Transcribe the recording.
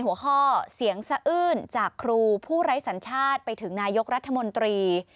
หัวข้อเสียงสะอื้นจากครูผู้ไร้สัญชาติไปถึงนายกรัฐมนตรี